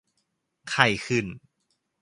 ไข้ขึ้น